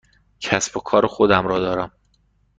کسب و کار خودم را دارم.